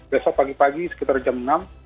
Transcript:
besok pagi pagi sekitar jam enam